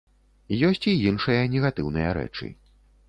Ёсць і іншыя негатыўныя рэчы.